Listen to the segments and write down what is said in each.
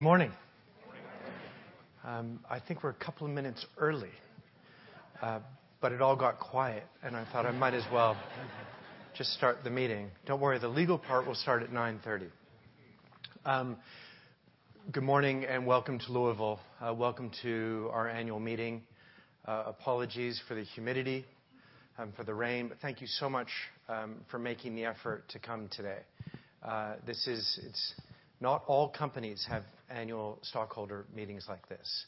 Morning. Morning. I think we're a couple of minutes early. It all got quiet, and I thought I might as well just start the meeting. Don't worry, the legal part will start at 9:30 A.M. Good morning, and welcome to Louisville. Welcome to our annual meeting. Apologies for the humidity and for the rain, but thank you so much for making the effort to come today. Not all companies have annual stockholder meetings like this.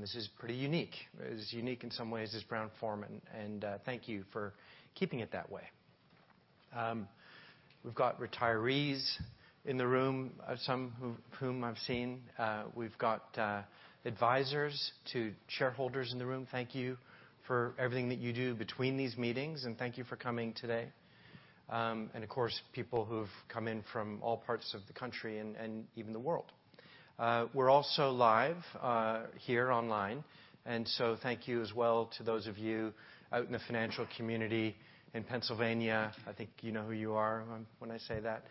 This is pretty unique. It is unique in some ways as Brown-Forman, and thank you for keeping it that way. We've got retirees in the room, some whom I've seen. We've got advisors to shareholders in the room. Thank you for everything that you do between these meetings, and thank you for coming today. Of course, people who've come in from all parts of the country and even the world. We're also live here online, so thank you as well to those of you out in the financial community in Pennsylvania. I think you know who you are when I say that.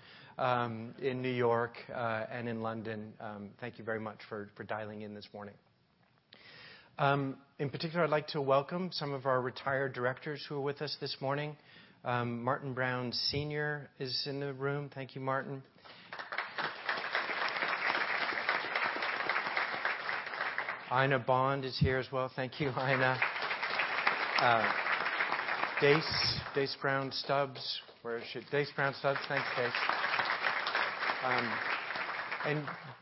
In New York, in London, thank you very much for dialing in this morning. In particular, I'd like to welcome some of our retired directors who are with us this morning. Martin Brown Sr. is in the room. Thank you, Martin. Ina Bond is here as well. Thank you, Ina. Dace Brown Stubbs. Where is she? Dace Brown Stubbs. Thanks, Dace.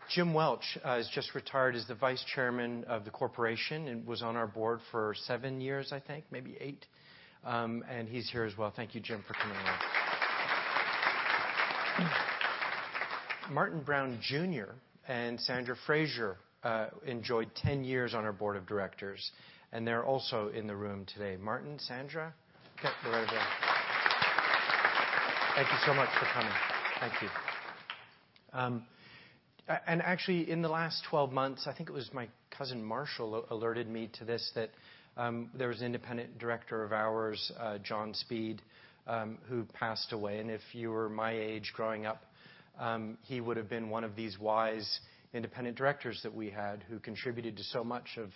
Jim Welch has just retired as the Vice Chairman of the corporation and was on our board for seven years, I think, maybe eight. He's here as well. Thank you, Jim, for coming in. Martin Brown Jr. and Sandra Frazier enjoyed 10 years on our board of directors, and they're also in the room today. Martin, Sandra? Yep, right over there. Thank you so much for coming. Thank you. Actually, in the last 12 months, I think it was my cousin Marshall who alerted me to this, that there was an independent director of ours, John Speed, who passed away, and if you were my age growing up, he would've been one of these wise independent directors that we had who contributed to so much of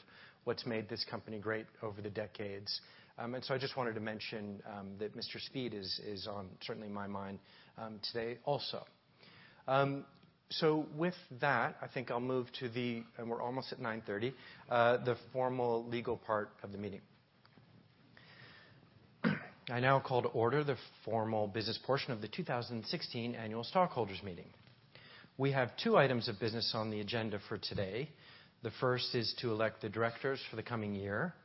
what's made this company great over the decades. I just wanted to mention that Mr. Speed is on certainly my mind today also. With that, I think I'll move to the, and we're almost at 9:30 A.M., the formal legal part of the meeting. I now call to order the formal business portion of the 2016 annual stockholders meeting. We have two items of business on the agenda for today. The first is to elect the directors for the coming year,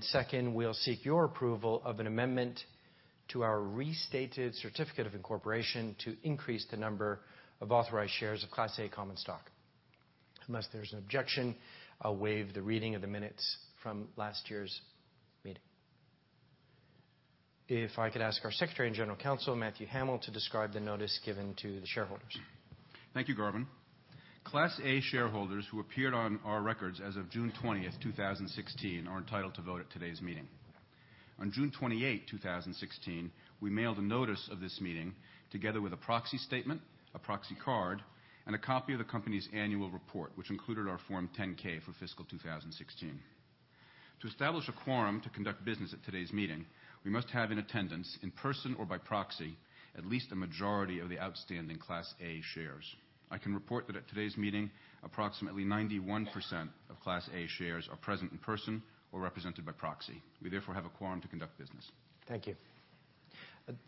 second, we'll seek your approval of an amendment to our restated certificate of incorporation to increase the number of authorized shares of Class A common stock. Unless there's an objection, I'll waive the reading of the minutes from last year's meeting. If I could ask our Secretary and General Counsel, Matthew Hamel, to describe the notice given to the shareholders. Thank you, Garvin. Class A shareholders who appeared on our records as of June 20th, 2016, are entitled to vote at today's meeting. On June 28th, 2016, we mailed a notice of this meeting together with a proxy statement, a proxy card, and a copy of the company's annual report, which included our Form 10-K for fiscal 2016. To establish a quorum to conduct business at today's meeting, we must have in attendance in person or by proxy, at least a majority of the outstanding Class A shares. I can report that at today's meeting, approximately 91% of Class A shares are present in person or represented by proxy. We therefore have a quorum to conduct business. Thank you.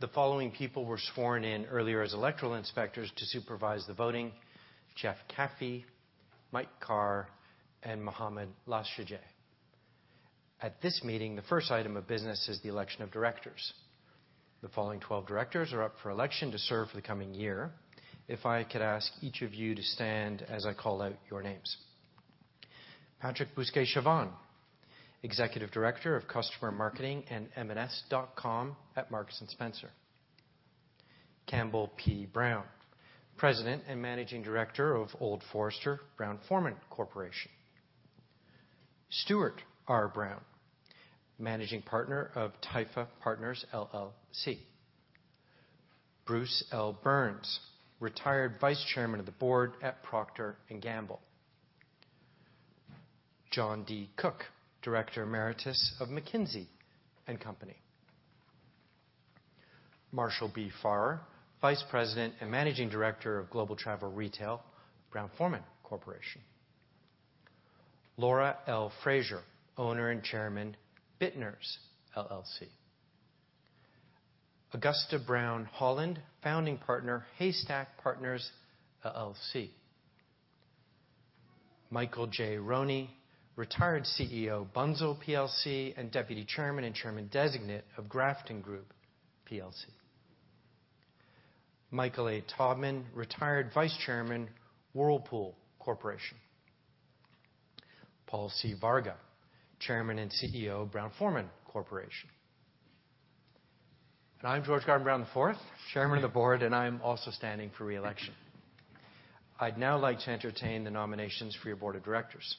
The following people were sworn in earlier as electoral inspectors to supervise the voting: Jeff Caffey, Mike Carr, and Mohammed Lashege. At this meeting, the first item of business is the election of directors. The following 12 directors are up for election to serve for the coming year. If I could ask each of you to stand as I call out your names. Patrick Bousquet-Chavanne, Executive Director of Customer Marketing and M&S.com at Marks & Spencer. Campbell P. Brown, President and Managing Director of Old Forester, Brown-Forman Corporation. Stuart R. Brown, Managing Partner of Typha Partners LLC. Bruce L. Byrnes, retired Vice Chairman of the Board at Procter & Gamble. John D. Cook, Director Emeritus of McKinsey & Company. Marshall B. Farrer, Vice President and Managing Director of Global Travel Retail, Brown-Forman Corporation. Laura L. Frazier, Owner and Chairman, Bittners, LLC. Augusta Brown Holland, Founding Partner, Haystack Partners LLC. Michael J. Roney, retired CEO, Bunzl PLC, and Deputy Chairman and Chairman Designate of Grafton Group PLC. Michael A. Todman, retired Vice Chairman, Whirlpool Corporation. Paul C. Varga, Chairman and CEO, Brown-Forman Corporation. I'm George Garvin Brown IV, Chairman of the Board, and I'm also standing for re-election. I'd now like to entertain the nominations for your board of directors.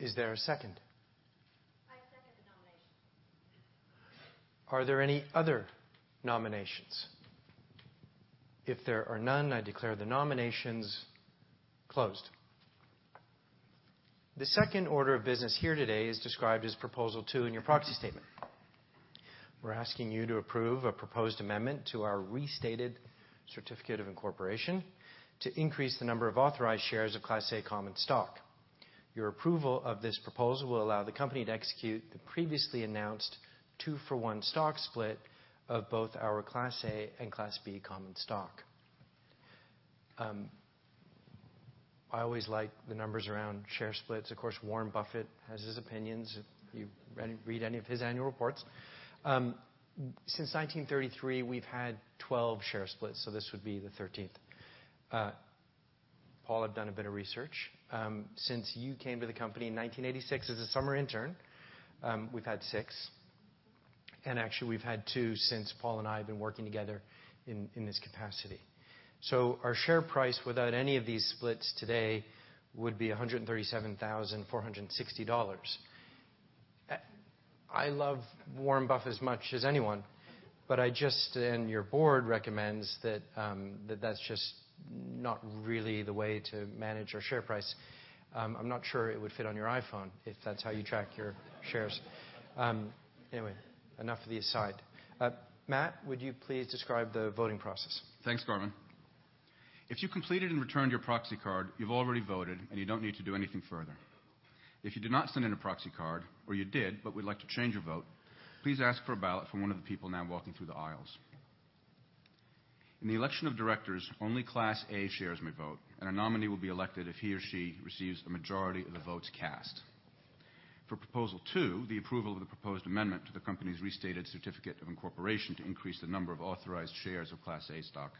Brown IV, Stuart R. Brown, Bruce L. Byrnes, John D. Cook, Marshall B. Farrer, Laura L. Frazier, Augusta Brown Holland, Michael J. Roney, Michael A. Todman, Paul Varga. Is there a second? I second the nomination. Are there any other nominations? If there are none, I declare the nominations closed. The second order of business here today is described as Proposal 2 in your proxy statement. We're asking you to approve a proposed amendment to our restated certificate of incorporation to increase the number of authorized shares of Class A common stock. Your approval of this proposal will allow the company to execute the previously announced two-for-one stock split of both our Class A and Class B common stock. I always like the numbers around share splits. Of course, Warren Buffett has his opinions if you read any of his annual reports. Since 1933, we've had 12 share splits, so this would be the 13th. Paul, I've done a bit of research. Since you came to the company in 1986 as a summer intern, we've had six. Actually, we've had two since Paul and I have been working together in this capacity. Our share price without any of these splits today would be $137,460. I love Warren Buffett as much as anyone. Your board recommends that that's just not really the way to manage our share price. I'm not sure it would fit on your iPhone, if that's how you track your shares. Anyway, enough of the aside. Matt, would you please describe the voting process? Thanks, Garvin. If you completed and returned your proxy card, you've already voted and you don't need to do anything further. If you did not send in a proxy card, or you did but would like to change your vote, please ask for a ballot from one of the people now walking through the aisles. In the election of directors, only Class A shares may vote, and a nominee will be elected if he or she receives a majority of the votes cast. For Proposal 2, the approval of the proposed amendment to the company's restated certificate of incorporation to increase the number of authorized shares of Class A stock,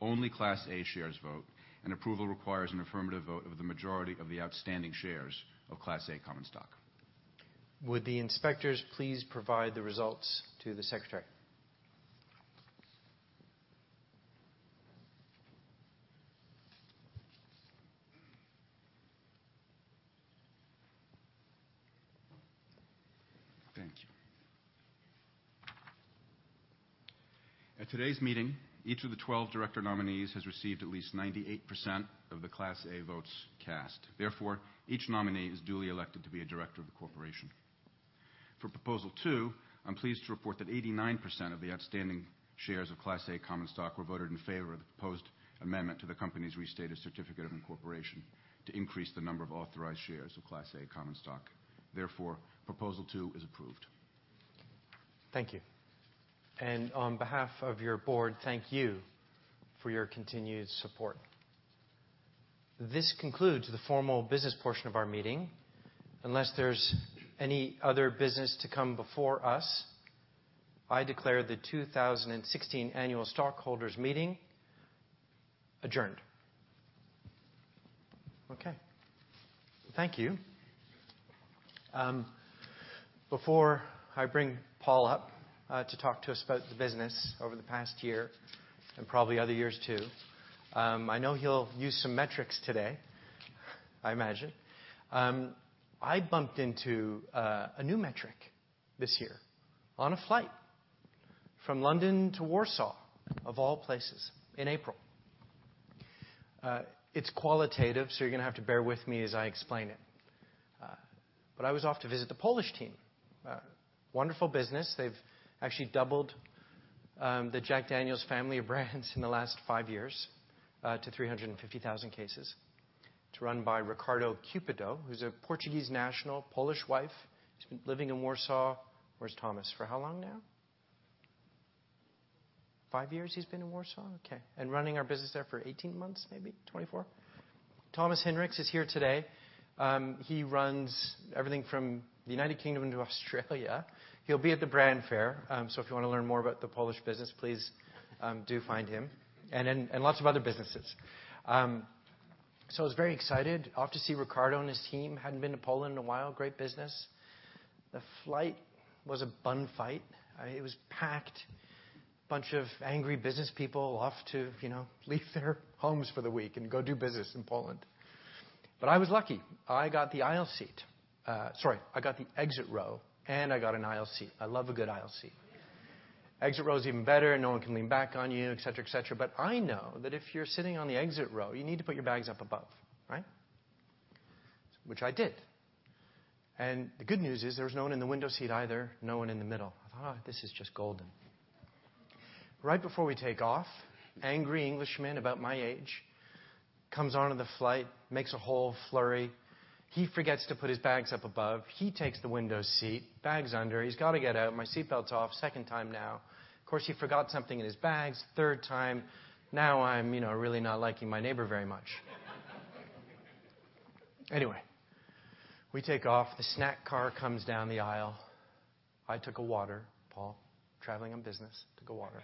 only Class A shares vote, and approval requires an affirmative vote of the majority of the outstanding shares of Class A common stock. Would the inspectors please provide the results to the secretary? Thank you. At today's meeting, each of the 12 director nominees has received at least 98% of the Class A votes cast. Therefore, each nominee is duly elected to be a director of the Corporation. For Proposal 2, I'm pleased to report that 89% of the outstanding shares of Class A common stock were voted in favor of the proposed amendment to the company's restated certificate of incorporation to increase the number of authorized shares of Class A common stock. Therefore, Proposal 2 is approved. Thank you. On behalf of your board, thank you for your continued support. This concludes the formal business portion of our meeting. Unless there's any other business to come before us, I declare the 2016 Annual Stockholders Meeting adjourned. Okay. Thank you. Before I bring Paul up, to talk to us about the business over the past year, and probably other years, too, I know he'll use some metrics today, I imagine. I bumped into a new metric this year on a flight from London to Warsaw, of all places, in April. It's qualitative. You're going to have to bear with me as I explain it. I was off to visit the Polish team. Wonderful business. They've actually doubled the Jack Daniel's family of brands in the last five years to 350,000 cases. It's run by Ricardo Cupido, who's a Portuguese national, Polish wife. He's been living in Warsaw. Where's Thomas? For how long now? Five years he's been in Warsaw? Okay. Running our business there for 18 months, maybe 24. Thomas Hinrichs is here today. He runs everything from the United Kingdom to Australia. He'll be at the brand fair. If you want to learn more about the Polish business, please do find him, and lots of other businesses. I was very excited. Off to see Ricardo and his team. Hadn't been to Poland in a while. Great business. The flight was a bun fight. It was packed. A bunch of angry businesspeople off to leave their homes for the week and go do business in Poland. I was lucky. I got the aisle seat. Sorry, I got the exit row, and I got an aisle seat. I love a good aisle seat. Exit row is even better. No one can lean back on you, et cetera. I know that if you're sitting on the exit row, you need to put your bags up above, right? Which I did. The good news is there was no one in the window seat either, no one in the middle. I thought, "Oh, this is just golden." Right before we take off, angry Englishman about my age comes onto the flight, makes a whole flurry. He forgets to put his bags up above. He takes the window seat, bags under. He's got to get out. My seat belt's off, second time now. Of course, he forgot something in his bags, third time. Now I'm really not liking my neighbor very much. Anyway, we take off, the snack car comes down the aisle. I took a water, Paul. Traveling on business, took a water.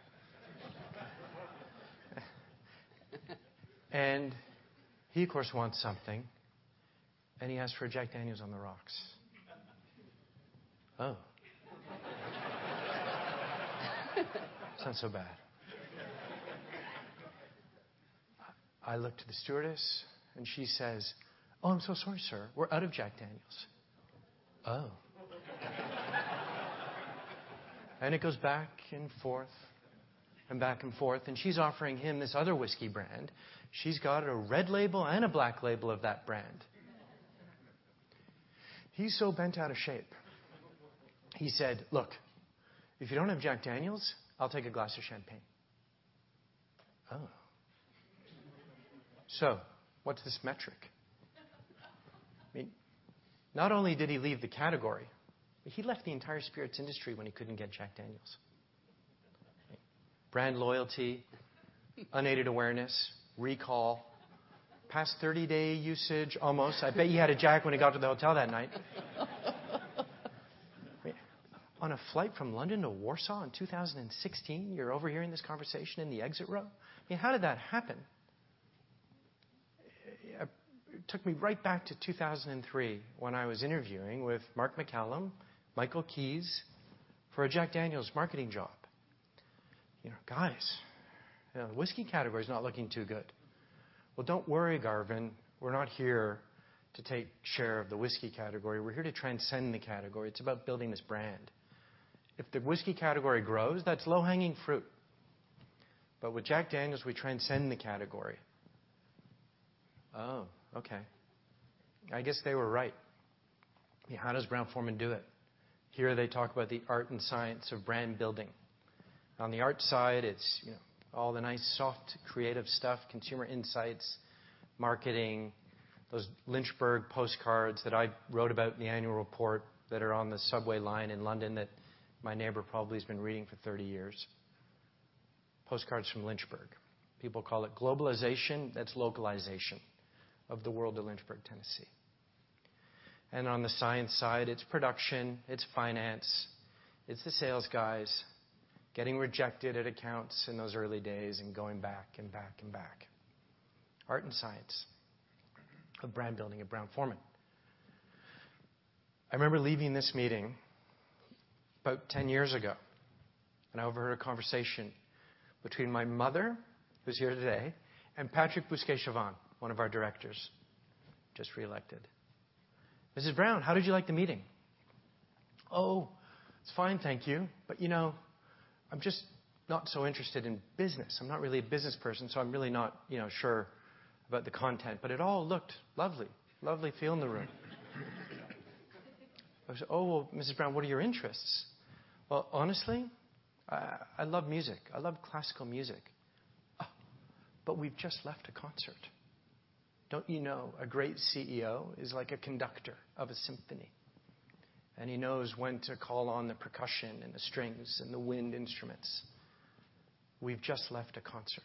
He, of course, wants something, and he asks for a Jack Daniel's on the rocks. It's not so bad. I look to the stewardess, and she says, "I'm so sorry, sir. We're out of Jack Daniel's." It goes back and forth, and back and forth, and she's offering him this other whiskey brand. She's got a red label and a black label of that brand. He's so bent out of shape. He said, "Look, if you don't have Jack Daniel's, I'll take a glass of champagne." What's this metric? Not only did he leave the category, but he left the entire spirits industry when he couldn't get Jack Daniel's. Brand loyalty, unaided awareness, recall. Past 30-day usage, almost. I bet he had a Jack when he got to the hotel that night. On a flight from London to Warsaw in 2016, you're overhearing this conversation in the exit row? How did that happen? It took me right back to 2003, when I was interviewing with Mark McCallum, Michael Keyes for a Jack Daniel's marketing job. "Guys, the whiskey category's not looking too good." "Don't worry, Garvin. We're not here to take share of the whiskey category. We're here to transcend the category. It's about building this brand. If the whiskey category grows, that's low-hanging fruit. With Jack Daniel's, we transcend the category." Okay. I guess they were right. How does Brown-Forman do it? Here they talk about the art and science of brand building. On the art side, it's all the nice soft creative stuff, consumer insights, marketing, those Postcards from Lynchburg that I wrote about in the annual report that are on the subway line in London that my neighbor probably has been reading for 30 years. Postcards from Lynchburg. People call it globalization. That's localization of the world of Lynchburg, Tennessee. On the science side, it's production, it's finance, it's the sales guys getting rejected at accounts in those early days and going back, and back, and back. Art and science of brand building at Brown-Forman. I remember leaving this meeting about 10 years ago, I overheard a conversation between my mother, who's here today, and Patrick Bousquet-Chavanne, one of our directors, just reelected. "Mrs. Brown, how did you like the meeting?" "It's fine, thank you. You know, I'm just not so interested in business. I'm not really a business person, I'm really not sure about the content. It all looked lovely. Lovely feel in the room." He goes, "Mrs. Brown, what are your interests?" "Honestly, I love music. I love classical music." We've just left a concert. Don't you know a great CEO is like a conductor of a symphony, he knows when to call on the percussion, and the strings, and the wind instruments. We've just left a concert.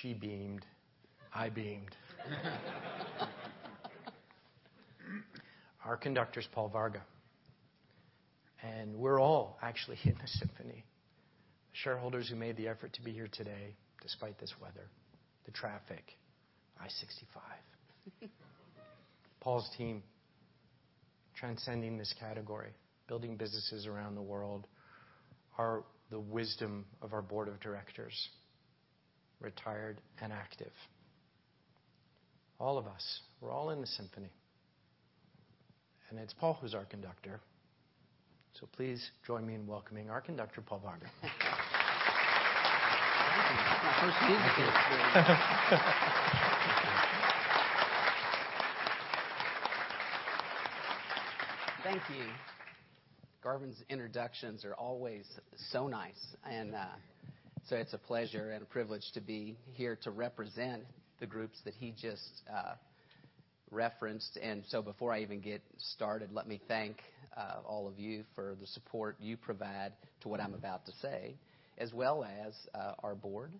She beamed. I beamed. Our conductor's Paul Varga, we're all actually in the symphony. Shareholders who made the effort to be here today, despite this weather, the traffic, I-65. Paul's team, transcending this category, building businesses around the world are the wisdom of our board of directors, retired and active. All of us, we're all in the symphony, it's Paul who's our conductor. Please join me in welcoming our conductor, Paul Varga. Thank you. Your first gig. Thank you. Thank you. Thank you. Garvin's introductions are always so nice. It's a pleasure and a privilege to be here to represent the groups that he just referenced. Before I even get started, let me thank all of you for the support you provide to what I'm about to say, as well as our board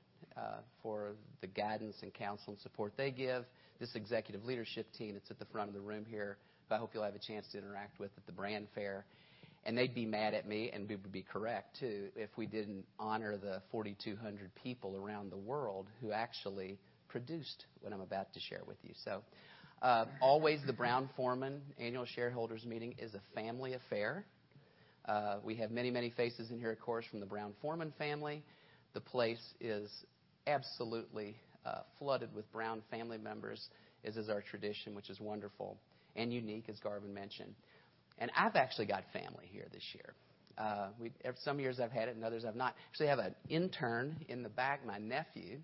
for the guidance, counsel, and support they give this executive leadership team that's at the front of the room here, who I hope you'll have a chance to interact with at the brand fair. They'd be mad at me, and would be correct, too, if we didn't honor the 4,200 people around the world who actually produced what I'm about to share with you. Always the Brown-Forman Annual Shareholders Meeting is a family affair. We have many, many faces in here, of course, from the Brown-Forman family. The place is absolutely flooded with Brown family members, as is our tradition, which is wonderful and unique, as Garvin mentioned. I've actually got family here this year. Some years I've had it and others I've not. We have an intern in the back, my nephew,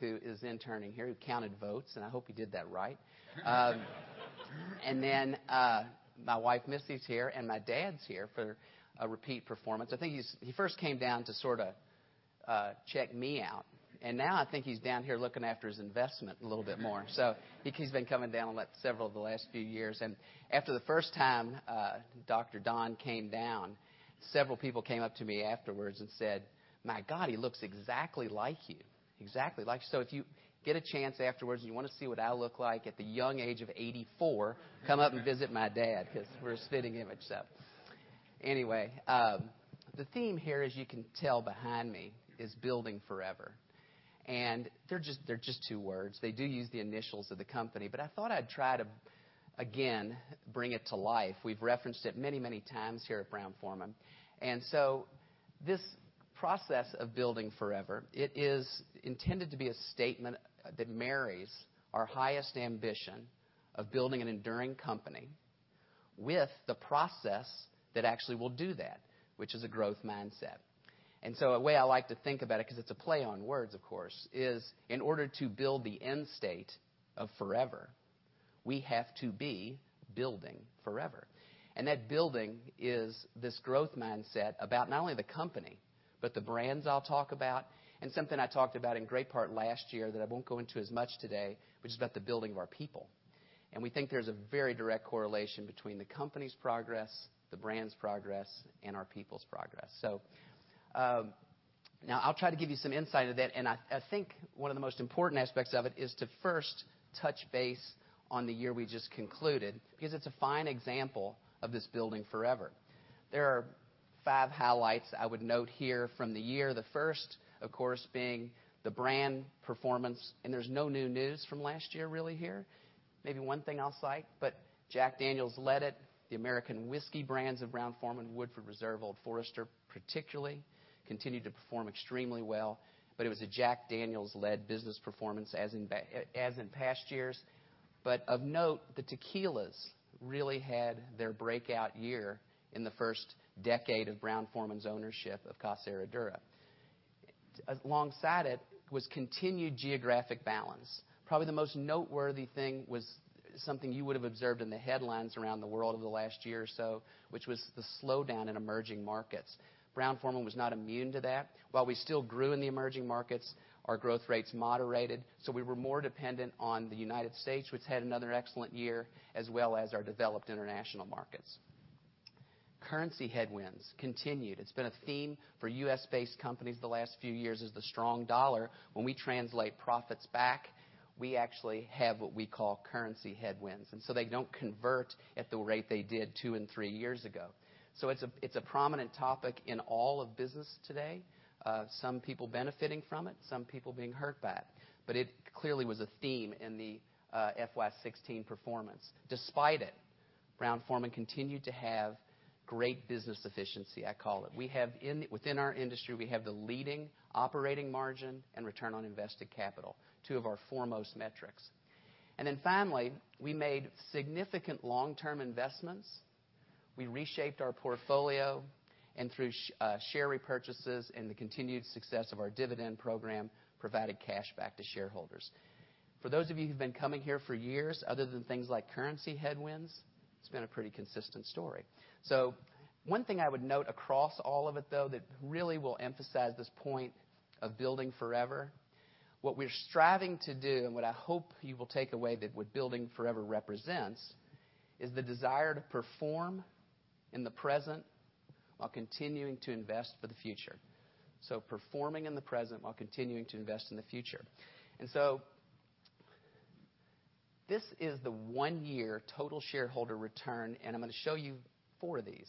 who is interning here, who counted votes, and I hope he did that right. My wife, Misty's here, and my dad's here for a repeat performance. I think he first came down to sort of check me out, and now I think he's down here looking after his investment a little bit more. I think he's been coming down, like, several of the last few years. After the first time Dr. Don came down, several people came up to me afterwards and said, "My God, he looks exactly like you. Exactly like you." If you get a chance afterwards and you want to see what I look like at the young age of 84, come up and visit my dad because we're a spitting image, so. Anyway, the theme here, as you can tell behind me, is Building Forever. They're just two words. They do use the initials of the company, but I thought I'd try to, again, bring it to life. We've referenced it many, many times here at Brown-Forman. This process of Building Forever, it is intended to be a statement that marries our highest ambition of building an enduring company with the process that actually will do that, which is a growth mindset. A way I like to think about it, because it's a play on words, of course, is in order to build the end state of forever, we have to be Building Forever. That building is this growth mindset about not only the company, but the brands I'll talk about, and something I talked about in great part last year that I won't go into as much today, which is about the building of our people. We think there's a very direct correlation between the company's progress, the brand's progress, and our people's progress. Now, I'll try to give you some insight of that, and I think one of the most important aspects of it is to first touch base on the year we just concluded, because it's a fine example of this Building Forever. There are five highlights I would note here from the year. The first, of course, being the brand performance, there's no new news from last year really here. Maybe one thing I'll cite, Jack Daniel's led it, the American whiskey brands of Brown-Forman, Woodford Reserve, Old Forester particularly, continued to perform extremely well. It was a Jack Daniel's-led business performance as in past years. Of note, the tequilas really had their breakout year in the first decade of Brown-Forman's ownership of Casa Herradura. Alongside it was continued geographic balance. Probably the most noteworthy thing was something you would have observed in the headlines around the world over the last year or so, which was the slowdown in emerging markets. Brown-Forman was not immune to that. While we still grew in the emerging markets, our growth rates moderated, we were more dependent on the United States, which had another excellent year, as well as our developed international markets. Currency headwinds continued. It's been a theme for US-based companies the last few years is the strong dollar. When we translate profits back, we actually have what we call currency headwinds, they don't convert at the rate they did two and three years ago. It's a prominent topic in all of business today. Some people benefiting from it, some people being hurt by it clearly was a theme in the FY 2016 performance. Despite it, Brown-Forman continued to have great business efficiency, I call it. Within our industry, we have the leading operating margin and return on invested capital, two of our foremost metrics. Finally, we made significant long-term investments. We reshaped our portfolio, through share repurchases and the continued success of our dividend program, provided cash back to shareholders. For those of you who've been coming here for years, other than things like currency headwinds, it's been a pretty consistent story. One thing I would note across all of it, though, that really will emphasize this point of Building Forever, what we're striving to do and what I hope you will take away that what Building Forever represents is the desire to perform in the present while continuing to invest for the future. Performing in the present while continuing to invest in the future. This is the one-year total shareholder return, and I'm going to show you four of these.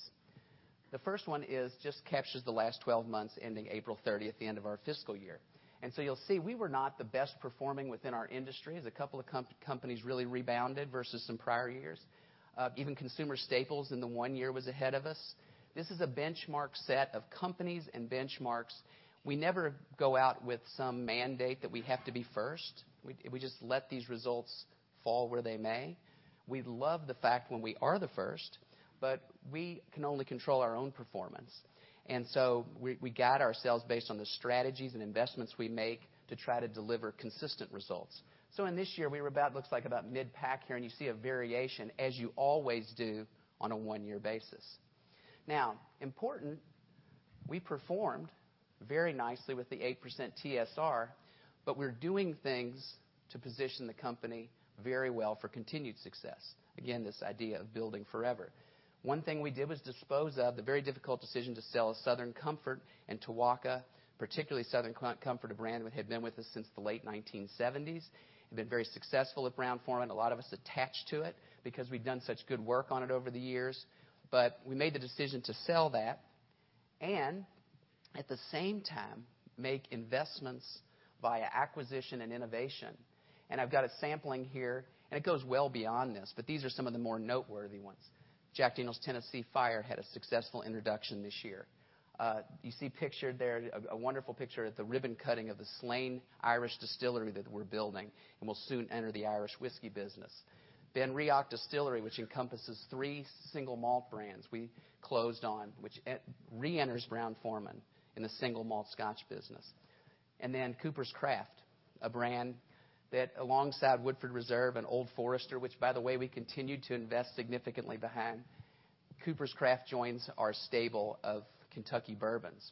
The first one just captures the last 12 months ending April 30th, the end of our fiscal year. You'll see we were not the best performing within our industry, as a couple of companies really rebounded versus some prior years. Even consumer staples in the one year was ahead of us. This is a benchmark set of companies and benchmarks. We never go out with some mandate that we have to be first. We just let these results fall where they may. We love the fact when we are the first, but we can only control our own performance. We guide ourselves based on the strategies and investments we make to try to deliver consistent results. In this year, we were about mid-pack here, and you see a variation as you always do on a one-year basis. Important, we performed very nicely with the 8% TSR, but we're doing things to position the company very well for continued success. Again, this idea of Building Forever. One thing we did was the very difficult decision to sell Southern Comfort and Tuaca, particularly Southern Comfort, a brand that had been with us since the late 1970s. Had been very successful at Brown-Forman. A lot of us attached to it because we'd done such good work on it over the years. We made the decision to sell that and at the same time make investments via acquisition and innovation. I've got a sampling here, and it goes well beyond this, but these are some of the more noteworthy ones. Jack Daniel's Tennessee Fire had a successful introduction this year. You see pictured there a wonderful picture at the ribbon cutting of the Slane Irish distillery that we're building, and we'll soon enter the Irish whiskey business. BenRiach Distillery, which encompasses three single malt brands we closed on, which reenters Brown-Forman in the single malt scotch business. Coopers' Craft, a brand that alongside Woodford Reserve and Old Forester, which by the way we continue to invest significantly behind, Coopers' Craft joins our stable of Kentucky bourbons.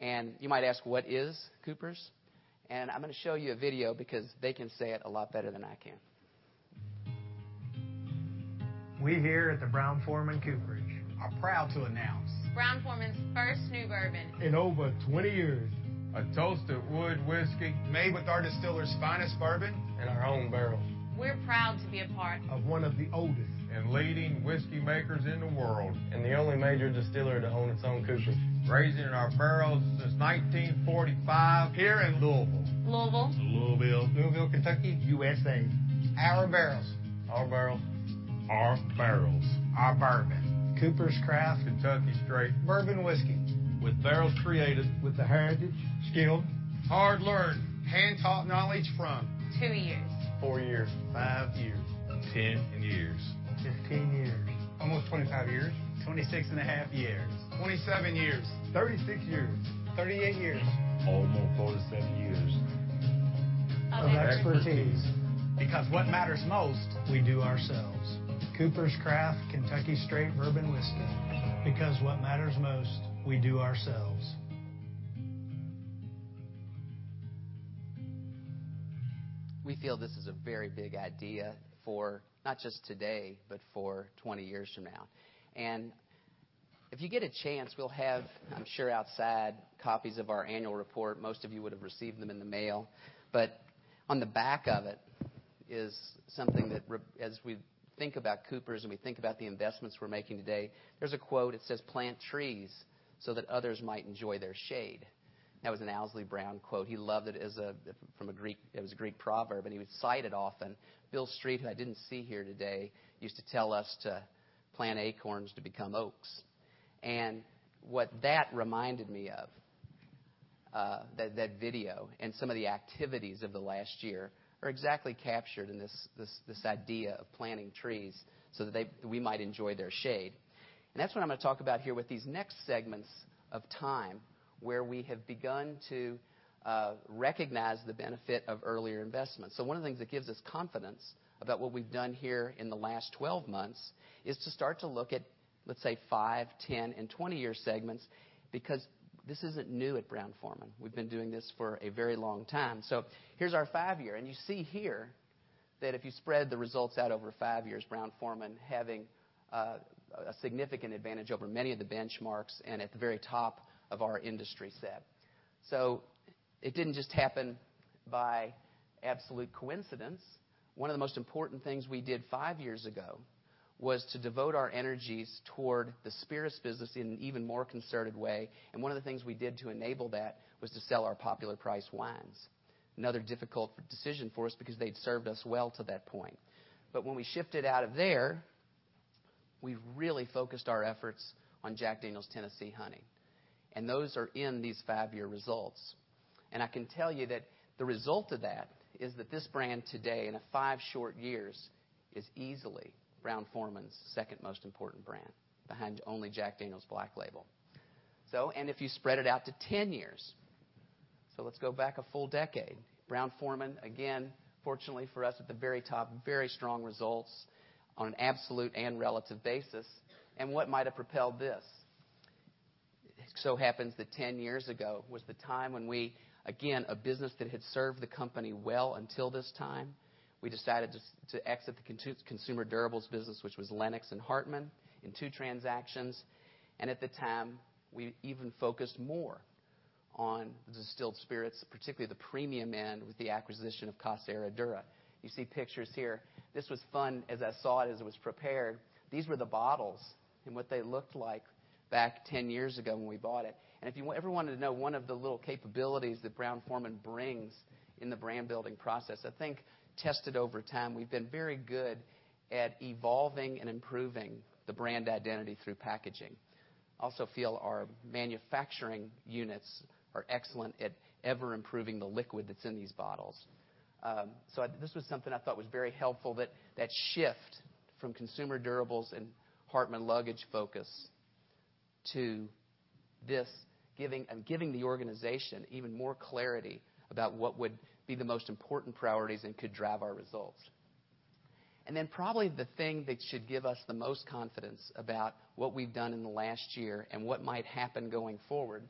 You might ask, what is Coopers'? I'm going to show you a video because they can say it a lot better than I can. We here at the Brown-Forman Cooperage are proud to announce First new bourbon in over 20 years. A toast to wood whiskey made with our distillers' finest bourbon and our own barrels. We're proud to be a part of one of the oldest and leading whiskey makers in the world and the only major distiller to own its own coopers. Raising our barrels since 1945 here in Louisville, Kentucky, U.S.A. Our barrels. Our bourbon. Coopers' Craft Kentucky Straight Bourbon Whiskey. With barrels created with the heritage skill, hard-learned, hand-taught knowledge from two years. Four years. Five years. 10 years. 15 years. Almost 25 years. 26 and a half years. 27 years. 36 years. 38 years. Almost 47 years of expertise. Because what matters most, we do ourselves. Coopers' Craft Kentucky Straight Bourbon Whiskey. Because what matters most, we do ourselves. We feel this is a very big idea for not just today, but for 20 years from now. If you get a chance, we'll have, I'm sure, outside copies of our annual report. Most of you would have received them in the mail, on the back of it is something that as we think about Coopers' and we think about the investments we're making today, there's a quote. It says, "Plant trees so that others might enjoy their shade." That was an Owsley Brown quote. He loved it. It was a Greek proverb, he would cite it often. Bill Street, who I didn't see here today, used to tell us to plant acorns to become oaks. What that reminded me of, that video and some of the activities of the last year are exactly captured in this idea of planting trees so that we might enjoy their shade. That's what I'm going to talk about here with these next segments of time, where we have begun to recognize the benefit of earlier investments. One of the things that gives us confidence about what we've done here in the last 12 months is to start to look at, let's say, 5, 10, and 20-year segments, because this isn't new at Brown-Forman. We've been doing this for a very long time. Here's our 5 year, you see here that if you spread the results out over 5 years, Brown-Forman having a significant advantage over many of the benchmarks and at the very top of our industry set. It didn't just happen by absolute coincidence. One of the most important things we did 5 years ago was to devote our energies toward the spirits business in an even more concerted way. One of the things we did to enable that was to sell our popular priced wines. Another difficult decision for us because they'd served us well to that point. When we shifted out of there, we really focused our efforts on Jack Daniel's Tennessee Honey. Those are in these 5-year results. I can tell you that the result of that is that this brand today, in a 5 short years, is easily Brown-Forman's second most important brand, behind only Jack Daniel's Black Label. If you spread it out to 10 years. Let's go back a full decade. Brown-Forman, again, fortunately for us, at the very top, very strong results on an absolute and relative basis. What might have propelled this? Happens that 10 years ago was the time when we, again, a business that had served the company well until this time, we decided to exit the consumer durables business, which was Lenox and Hartmann, in 2 transactions. At the time, we even focused more on distilled spirits, particularly the premium end, with the acquisition of Casa Herradura. You see pictures here. This was fun as I saw it, as it was prepared. These were the bottles and what they looked like back 10 years ago when we bought it. If you ever wanted to know one of the little capabilities that Brown-Forman brings in the brand-building process, I think tested over time, we've been very good at evolving and improving the brand identity through packaging. Also feel our manufacturing units are excellent at ever improving the liquid that's in these bottles. This was something I thought was very helpful, that shift from consumer durables and Hartmann luggage focus to this, giving the organization even more clarity about what would be the most important priorities and could drive our results. Probably the thing that should give us the most confidence about what we've done in the last year and what might happen going forward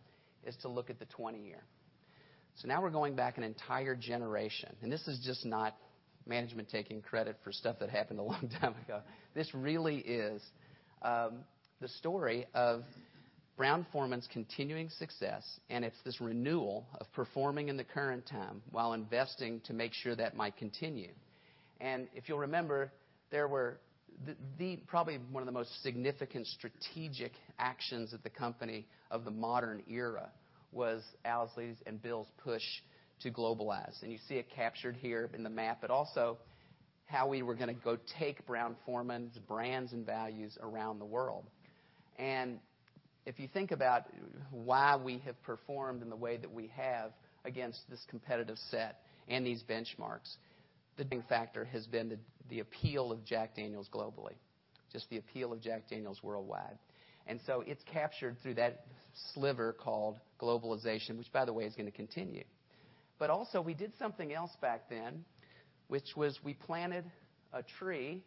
is to look at the 20 year. Now we're going back an entire generation, and this is just not management taking credit for stuff that happened a long time ago. This really is the story of Brown-Forman's continuing success, and it's this renewal of performing in the current time while investing to make sure that might continue. If you'll remember, probably one of the most significant strategic actions of the company of the modern era was Owsley's and Bill's push to globalize. You see it captured here in the map, but also how we were going to go take Brown-Forman's brands and values around the world. If you think about why we have performed in the way that we have against this competitive set and these benchmarks, the big factor has been the appeal of Jack Daniel's globally, just the appeal of Jack Daniel's worldwide. It's captured through that sliver called globalization, which, by the way, is going to continue. Also, we did something else back then, which was we planted a tree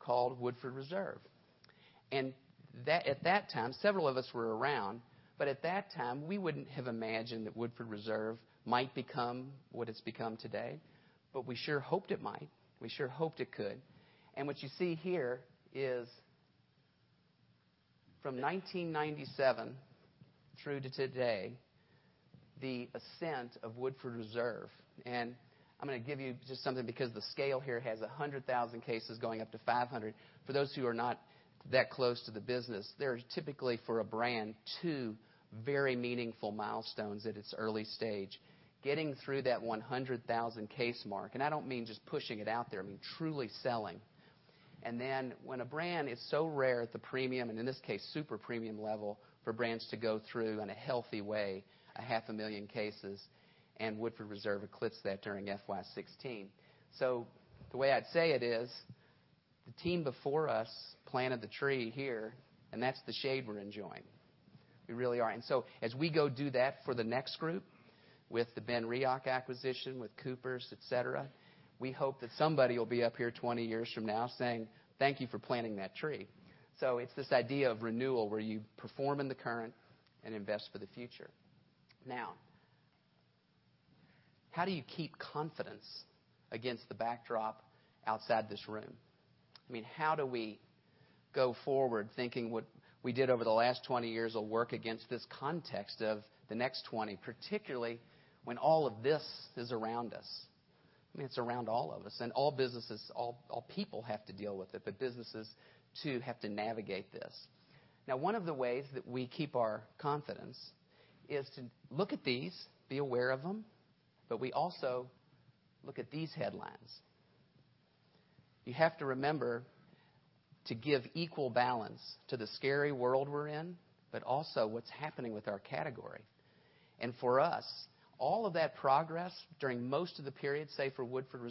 called Woodford Reserve. At that time, several of us were around, but at that time, we wouldn't have imagined that Woodford Reserve might become what it's become today. We sure hoped it might. We sure hoped it could. What you see here is from 1997 through to today, the ascent of Woodford Reserve. I'm going to give you just something, because the scale here has 100,000 cases going up to 500. For those who are not that close to the business, there are typically, for a brand, two very meaningful milestones at its early stage. Getting through that 100,000 case mark, and I don't mean just pushing it out there, I mean truly selling. When a brand is so rare at the premium, and in this case, super premium level for brands to go through in a healthy way, a half a million cases, and Woodford Reserve eclipsed that during FY 2016. The way I'd say it is, the team before us planted the tree here, and that's the shade we're enjoying. We really are. As we go do that for the next group with the BenRiach acquisition, with Coopers' Craft, et cetera, we hope that somebody will be up here 20 years from now saying, "Thank you for planting that tree." It's this idea of renewal where you perform in the current and invest for the future. Now, how do you keep confidence against the backdrop outside this room? How do we go forward thinking what we did over the last 20 years will work against this context of the next 20, particularly when all of this is around us? It is around all of us. All businesses, all people have to deal with it, but businesses, too, have to navigate this. One of the ways that we keep our confidence is to look at these, be aware of them, but we also look at these headlines. You have to remember to give equal balance to the scary world we are in, but also what is happening with our category. For us, all of that progress during most of the period, say for Woodford,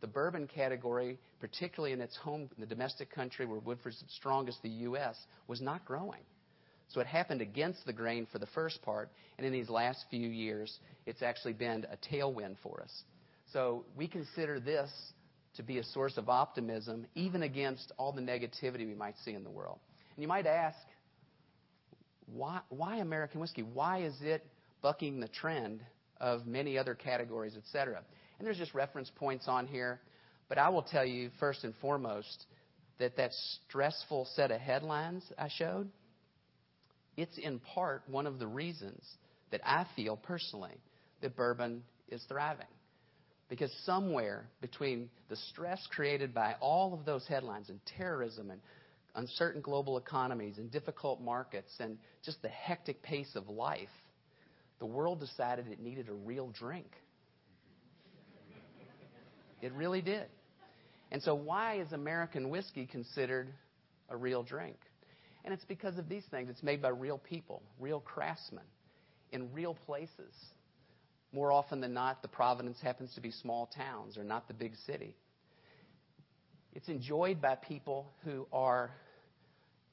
the bourbon category, particularly in its home, the domestic country where Woodford is strongest, the U.S., was not growing. It happened against the grain for the first part, and in these last few years, it has actually been a tailwind for us. We consider this to be a source of optimism, even against all the negativity we might see in the world. You might ask, why American whiskey? Why is it bucking the trend of many other categories, et cetera? There is just reference points on here, but I will tell you first and foremost, that that stressful set of headlines I showed, it is in part one of the reasons that I feel personally that bourbon is thriving. Somewhere between the stress created by all of those headlines and terrorism and uncertain global economies and difficult markets and just the hectic pace of life, the world decided it needed a real drink. It really did. Why is American whiskey considered a real drink? It is because of these things. It is made by real people, real craftsmen in real places. More often than not, the provenance happens to be small towns or not the big city. It is enjoyed by people who are.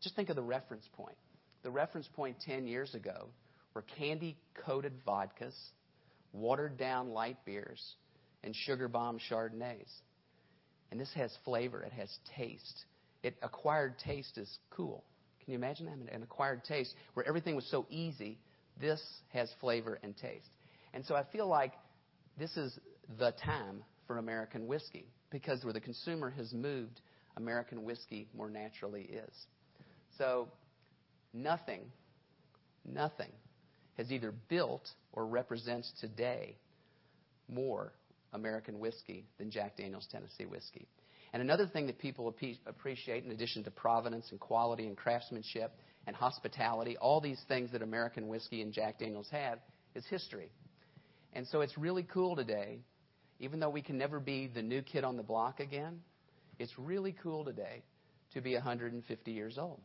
Just think of the reference point. The reference point 10 years ago were candy-coated vodkas, watered-down light beers, and sugar bomb chardonnays. This has flavor. It has taste. Acquired taste is cool. Can you imagine that? An acquired taste where everything was so easy. This has flavor and taste. I feel like this is the time for American whiskey, because where the consumer has moved, American whiskey more naturally is. Nothing, nothing has either built or represents today more American whiskey than Jack Daniel's Tennessee whiskey. Another thing that people appreciate in addition to provenance and quality and craftsmanship and hospitality, all these things that American whiskey and Jack Daniel's have, is history. It is really cool today, even though we can never be the new kid on the block again, it is really cool today to be 150 years old.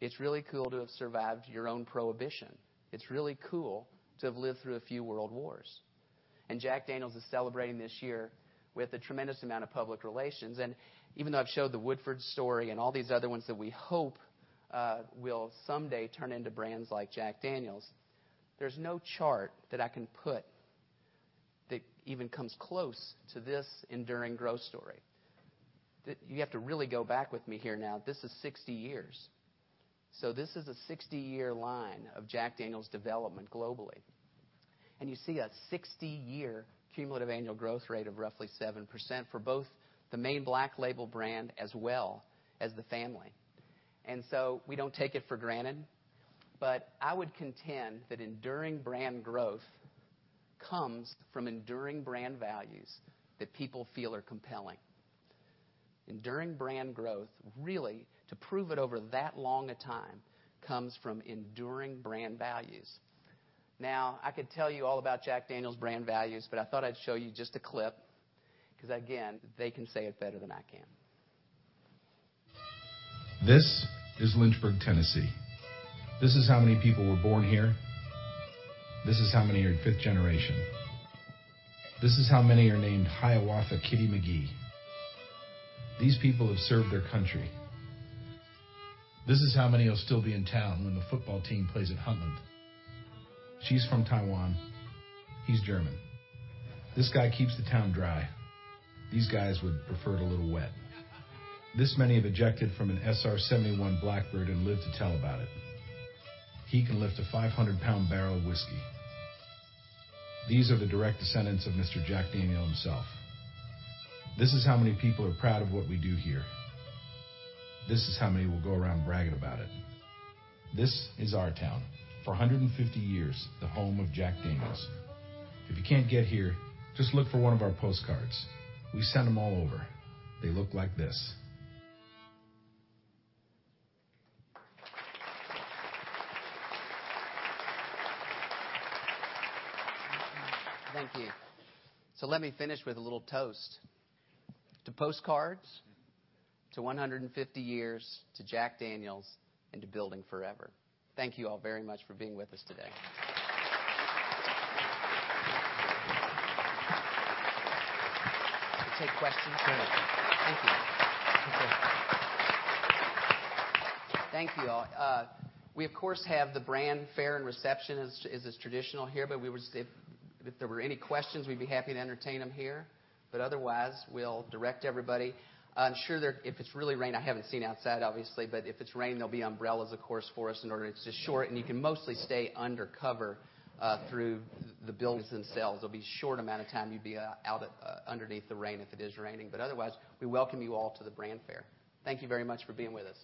It is really cool to have survived your own prohibition. It is really cool to have lived through a few world wars. Jack Daniel's is celebrating this year with a tremendous amount of public relations. Even though I have showed the Woodford story and all these other ones that we hope will someday turn into brands like Jack Daniel's, there is no chart that I can put that even comes close to this enduring growth story. You have to really go back with me here now. This is 60 years. This is a 60-year line of Jack Daniel's development globally. You see a 60-year cumulative annual growth rate of roughly 7% for both the main Black Label brand as well as the family. We don't take it for granted, but I would contend that enduring brand growth comes from enduring brand values that people feel are compelling. Enduring brand growth, really, to prove it over that long a time, comes from enduring brand values. I could tell you all about Jack Daniel's brand values, but I thought I'd show you just a clip because again, they can say it better than I can. This is Lynchburg, Tennessee. This is how many people were born here. This is how many are fifth generation. This is how many are named Hiawatha Kitty McGee. These people have served their country. This is how many will still be in town when the football team plays at Huntland. She's from Taiwan. He's German. This guy keeps the town dry. These guys would prefer it a little wet. This many have ejected from an SR-71 Blackbird and lived to tell about it. He can lift a 500-pound barrel of whiskey. These are the direct descendants of Mr. Jack Daniel himself. This is how many people are proud of what we do here. This is how many will go around bragging about it. This is our town. For 150 years, the home of Jack Daniel's. If you can't get here, just look for one of our postcards. We send them all over. They look like this. Thank you. Let me finish with a little toast. To postcards, to 150 years, to Jack Daniel's, and to building forever. Thank you all very much for being with us today. We take questions? Sure. Thank you. Okay. Thank you, all. We, of course, have the brand fair and reception as is traditional here, but if there were any questions, we'd be happy to entertain them here. Otherwise, we'll direct everybody. I'm sure if it's really rain, I haven't seen outside, obviously, but if it's rain, there'll be umbrellas, of course, for us in order. It's just short, and you can mostly stay undercover through the buildings themselves. It'll be short amount of time you'd be out underneath the rain if it is raining. Otherwise, we welcome you all to the brand fair. Thank you very much for being with us.